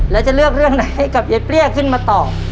แล้วจะเลือกเรื่องไหนให้กับยายเปรี้ยขึ้นมาตอบ